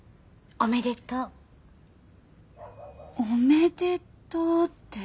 「おめでとう」って？